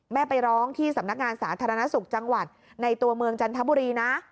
ไปร้องที่สำนักงานสาธารณสุขจังหวัดในตัวเมืองจันทบุรีนะ